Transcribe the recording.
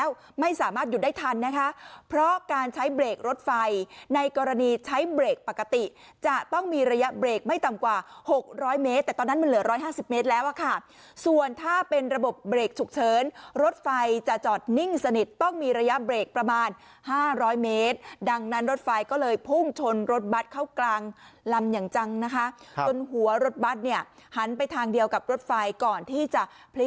แล้วไม่สามารถหยุดได้ทันนะคะเพราะการใช้เบรกรถไฟในกรณีใช้เบรกปกติจะต้องมีระยะเบรกไม่ต่ำกว่าหกร้อยเมตรแต่ตอนนั้นมันเหลือ๑๕๐เมตรแล้วอะค่ะส่วนถ้าเป็นระบบเบรกฉุกเฉินรถไฟจะจอดนิ่งสนิทต้องมีระยะเบรกประมาณ๕๐๐เมตรดังนั้นรถไฟก็เลยพุ่งชนรถบัตรเข้ากลางลำอย่างจังนะคะจนหัวรถบัตรเนี่ยหันไปทางเดียวกับรถไฟก่อนที่จะพลิก